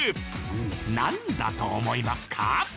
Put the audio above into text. なんだと思いますか？